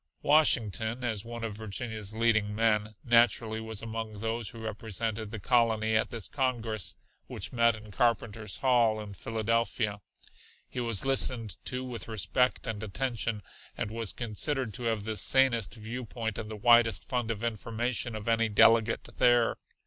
Washington, as one of Virginia's leading men, naturally was among those who represented the colony at this congress, which met in Carpenter's Hall in Philadelphia. He was listened to with respect and attention, and was considered to have the sanest viewpoint and the widest fund of information of any delegate there.